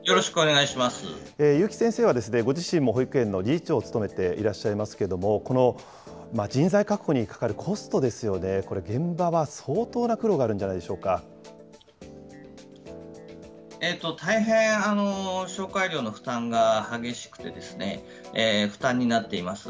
結城先生は、ご自身も保育園の理事長を務めていらっしゃいますけれども、この人材確保にかかるコストですよね、これ、現場は相当な苦労があるんじゃないでし大変、紹介料の負担が激しくて、負担になっています。